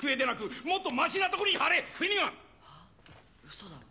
嘘だろ？